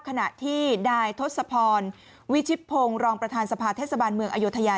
ขณะที่นายทศพรวิชิตพงศ์รองประธานสภาเทศบาลเมืองอยุธยา